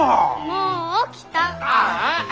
もう起きた。